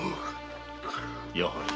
やはり。